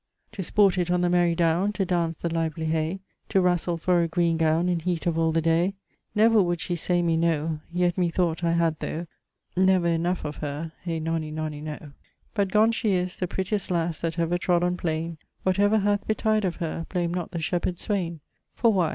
To sport it on the merry downe To daunce the lively Haye To wrastle for a green gowne In heate of all the daye Never would she say me no Yet me thought I had thô Never enough of her Hye nonny nonny noe. But gonne she is, the prettiest lasse That ever trod on plaine. What ever hath betide of her Blame not the shepherd swayne For why?